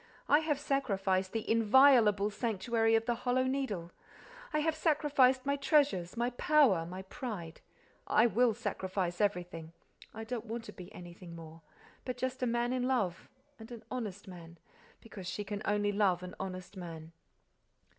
I have sacrificed the inviolable sanctuary of the Hollow Needle, I have sacrificed my treasures, my power, my pride—I will sacrifice everything—I don't want to be anything more—but just a man in love—and an honest man, because she can only love an honest man.